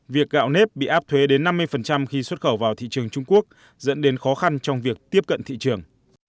việc gạo nếp bị áp thuế đến năm mươi khi xuất khẩu vào thị trường trung quốc dẫn đến khó khăn trong việc tiếp cận thị trường